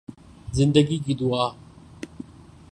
زندگی کی دعا